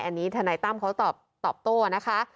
อันนี้ทนายตั้มเขาตอบโต้นะคะ